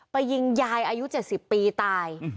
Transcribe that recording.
ไปยิงยายอายุ๗๐ปีตาย